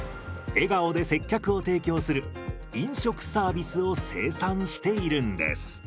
笑顔で接客を提供する飲食サービスを生産しているんです。